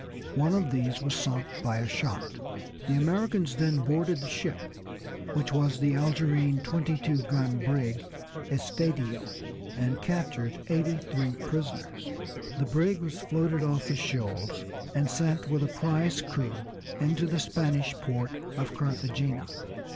One of these was sunk by a shot. The Americans then boarded the ship, which was the Algerine twenty two gun brig Estedio, and captured eighty three prisoners. The brig was floated off the shoals and sent with a prize crew into the Spanish port of Carthagena.